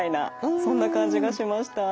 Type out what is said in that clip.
そんな感じがしました。